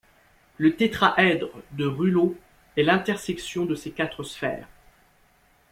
Le tétraèdre de Reuleaux est l'intersection de ces quatre sphères.